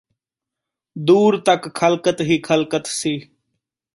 ਦੂਰ ਤਕ ਖ਼ਲਕਤ ਈ ਖ਼ਲਕਤ ਸੀ